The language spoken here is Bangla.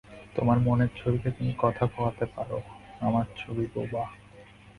তোমার মনের ছবিকে তুমি কথা কওয়াতে পার, আমার ছবি বোবা।